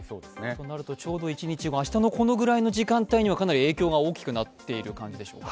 となると、ちょうど一日、明日のこのぐらいの時間にはかなり影響が大きくなっている感じでしょうか。